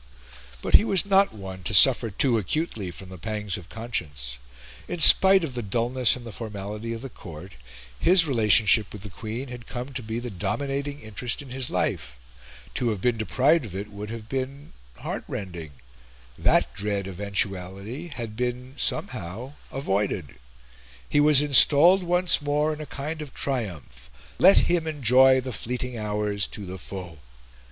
But he was not one to suffer too acutely from the pangs of conscience. In spite of the dullness and the formality of the Court, his relationship with the Queen had come to be the dominating interest in his life; to have been deprived of it would have been heartrending; that dread eventuality had been somehow avoided; he was installed once more, in a kind of triumph; let him enjoy the fleeting hours to the full!